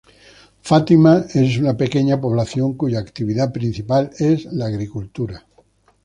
Fátima es una pequeña población, cuya actividad principal es la agricultura.